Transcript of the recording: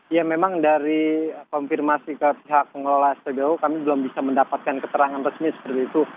ya memang dari konfirmasi ke pihak pengelola spbu kami belum bisa mendapatkan keterangan resmi seperti itu